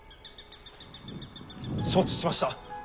承知しました。